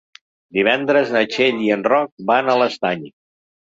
Divendres na Txell i en Roc van a l'Estany.